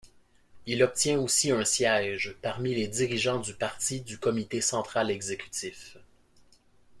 Il obtient aussi un siège parmi les dirigeants du parti du comité central exécutif.